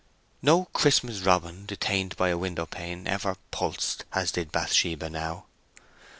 No Christmas robin detained by a window pane ever pulsed as did Bathsheba now.